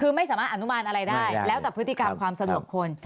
คือไม่สามารถอนุมานอะไรได้แล้วแต่พฤติกรรมความสะดวกคน